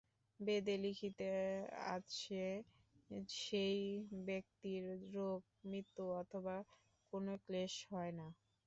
বেদে লিখিত আছে, সেই ব্যক্তির রোগ, মৃত্যু অথবা কোন ক্লেশ হয় না।